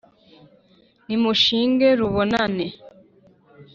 Nimushinge rubonane!”